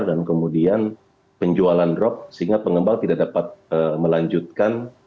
dan kemudian penjualan drop sehingga pengembang tidak dapat melanjutkan